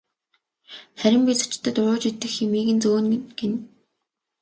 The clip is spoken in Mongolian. Харин би зочдод ууж идэх юмыг нь зөөнө гэнэ.